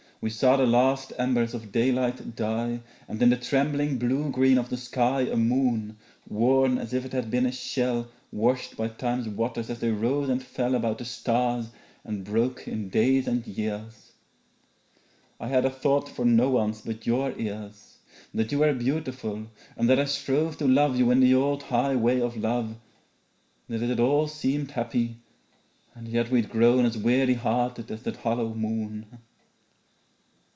We saw the last embers of daylight die And in the trembling blue green of the sky A moon, worn as if it had been a shell Washed by time's waters as they rose and fell About the stars and broke in days and years. I had a thought for no one's but your ears; That you were beautiful and that I strove To love you in the old high way of love; That it had all seemed happy, and yet we'd grown As weary hearted as that hollow moon.